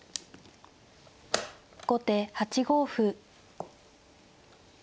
後手８五歩。